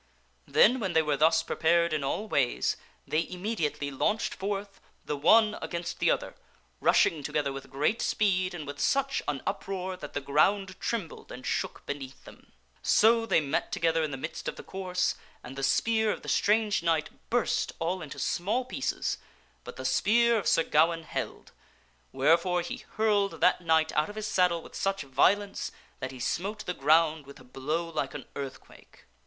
Then, when they were thus prepared in all ways, they im mediately launched forth, the one against the other, rushing together with great speed and with such an uproar that the ground trembled and shook sir Gawaine beneath them. So they met together in the midst of the overtkroweth course and the spear of the strange knight burst all into small the knight. pieces, but the spear of Sir Gawaine held ; wherefore he hurled that knight out of his saddle with such violence that he smote the ground with a blow like an earthquake.